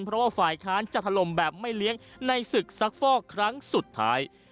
เพราะว่าฝ่ายค้านจะถล่มแบบไม่เลี้ยงในศึกซักฟอกครั้งสุดท้าย